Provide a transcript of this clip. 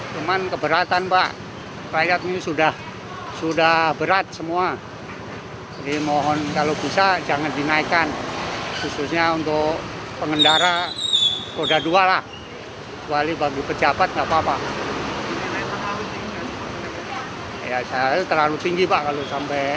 jangan lupa like share dan subscribe channel ini untuk dapat info terbaru dari kami